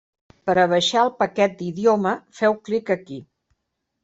Per a baixar el paquet d'idioma feu clic aquí.